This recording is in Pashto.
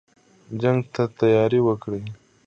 جنګ ته تیاری وکړی.